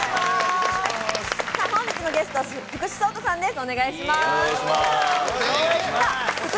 本日のゲスト、福士蒼汰さんです。